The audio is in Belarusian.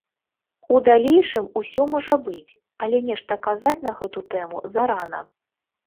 У далейшым усё можа быць, але нешта казаць на гэту тэму зарана.